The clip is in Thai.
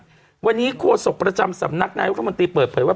คือต้องกักตัวครับวันนี้โขสกประจำสำนักนายลักษณ์มนตรีเปิดเผยว่า